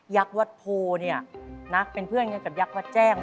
ักษ์วัดโพเนี่ยนะเป็นเพื่อนกันกับยักษ์วัดแจ้ง